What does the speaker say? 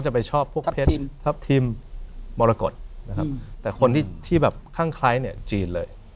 ใช้กันมานาน